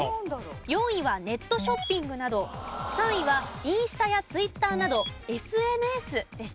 ４位はネットショッピングなど３位はインスタやツイッターなどＳＮＳでした。